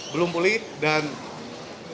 belum pulih dan kita ada